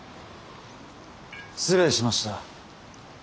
失礼しました。